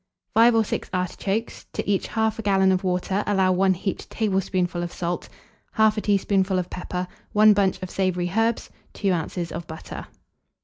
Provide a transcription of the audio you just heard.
5 or 6 artichokes; to each 1/2 gallon of water allow 1 heaped tablespoonful of salt, 1/2 teaspoonful of pepper, 1 bunch of savoury herbs, 2 oz. of butter.